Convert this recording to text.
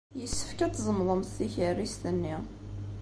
Yessefk ad tzemḍemt tikerrist-nni.